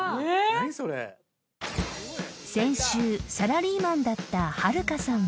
何それ⁉［先週サラリーマンだったはるかさんは］